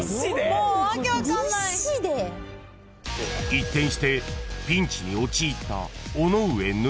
［一転してピンチに陥った尾上縫］